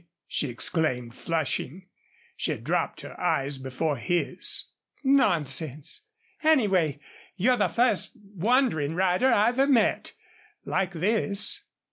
she exclaimed, flushing. She dropped her eyes before his. "Nonsense. ... Anyway, you're the first wandering rider I ever met like this."